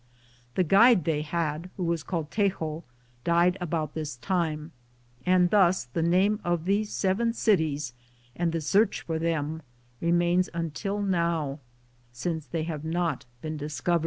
The guide they had, who was called Tejo, died about this time, and thus the name of these Seven Cities and the search for them remains until now, since they have not been discovered.